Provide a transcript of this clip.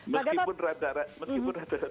meskipun rada rada games